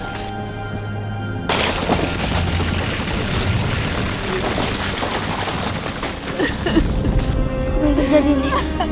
apa yang terjadi ini